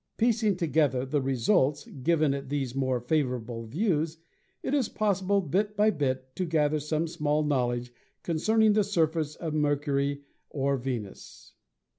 Piecing together the results given at these more favorable views, it is possible, bit by bit, to gather some small knowledge concerning the surface of Mercury or Venus.